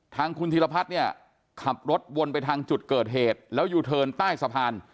ทางคุณธีรพัฒน์เนี่ยขับรถวนไปทางจุดเกิดเหตุแล้วยูเทิร์นใต้สะพาน